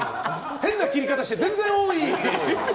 変な切り方して全然多い！